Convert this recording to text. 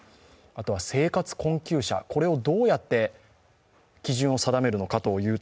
あとは生活困窮者の基準をどうやって定めるのか。